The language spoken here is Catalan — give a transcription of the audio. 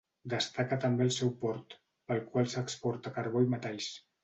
Destaca també el seu port, pel qual s'exporta carbó i metalls.